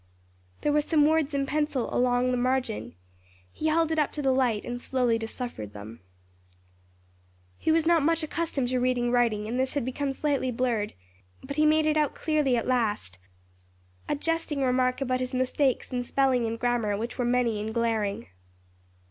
There were some words in pencil along the margin; he held it up to the light and slowly deciphered them. He was not much accustomed to reading writing and this had become slightly blurred: but he made it out clearly at last; a jesting remark about his mistakes in spelling and grammar, which were many and glaring.